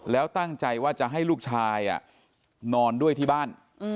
แล้วตั้งใจว่าจะให้ลูกชายนอนด้วยที่บ้าน